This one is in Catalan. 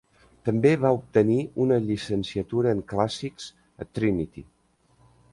També va fer obtenir una llicenciatura en Clàssics a Trinity.